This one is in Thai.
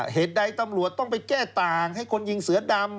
เหตุใดตำรวจต้องไปแก้ต่างให้คนยิงเสือดำ